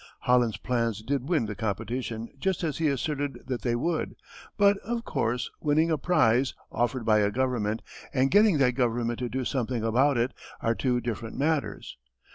Holland's plans did win the competition just as he asserted that they would; but, of course, winning a prize, offered by a government, and getting that government to do something about it, are two different matters.